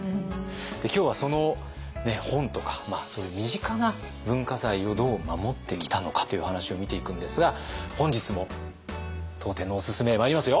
今日はその本とかそういう身近な文化財をどう守ってきたのかという話を見ていくんですが本日も当店のおすすめまいりますよ。